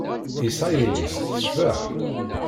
Yesεa yelli-s tecbeḥ.